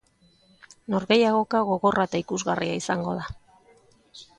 Norgehiagoka gogorra eta ikusgarria izango da.